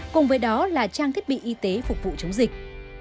cùng với đó là trang thiết bị y tế phục vụ chống dịch